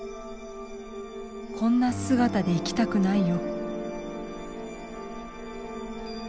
こんな姿で生きたくないよ」。